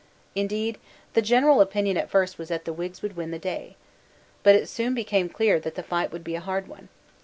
Indeed, the general opinion at first was that the Whigs would win the day. But it soon became clear that the fight would be a hard one.